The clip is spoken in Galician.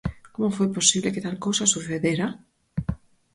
Como foi posible que tal cousa sucedera?